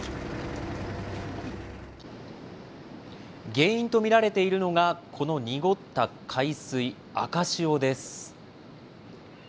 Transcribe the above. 原因と見られているのが、この濁った海水、赤潮です。